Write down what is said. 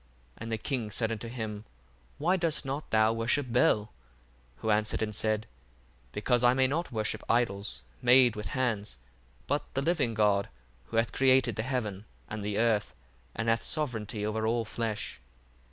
And the king said unto him, Why dost not thou worship Bel? 1:5 Who answered and said, Because I may not worship idols made with hands, but the living God, who hath created the heaven and the earth, and hath sovereignty over all flesh.